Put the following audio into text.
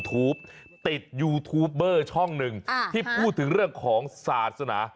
ทูปติดยูทูปเบอร์ช่องหนึ่งที่พูดถึงเรื่องของศาสนา